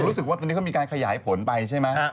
รู้สึกว่าตอนนี้เขามีการขยายผลไปใช่ไหม